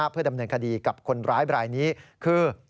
เพื่อดำเนินคดีกับคนร้ายบรายนี้คือ